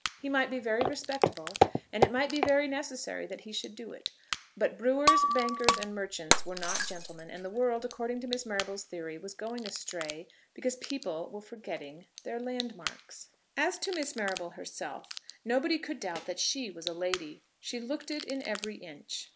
He might be very respectable, and it might be very necessary that he should do it; but brewers, bankers, and merchants, were not gentlemen, and the world, according to Miss Marrable's theory, was going astray, because people were forgetting their landmarks. As to Miss Marrable herself nobody could doubt that she was a lady; she looked it in every inch.